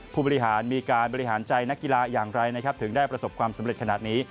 ผู้บริหารมีการบริหารใจนักกีฬาอย่างไรนะครับถึงได้ประสบความสำเร็จขนาดนี้